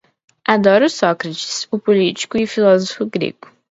Adoro o Sócrates, o político e o filósofo grego.